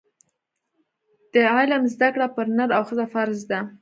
د علم زده کړه پر نر او ښځه فرض ده.